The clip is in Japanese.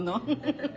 フフフッ。